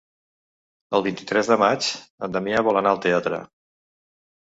El vint-i-tres de maig en Damià vol anar al teatre.